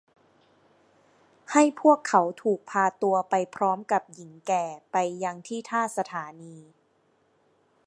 ให้พวกเขาถูกพาตัวไปพร้อมกับหญิงแก่ไปยังที่ท่าสถานี